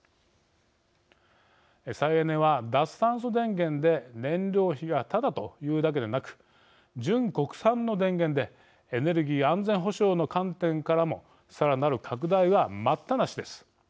再エネは脱炭素電源で燃料費がただというだけでなく純国産の電源でエネルギー安全保障の観点からもさらなる拡大は待ったなしです。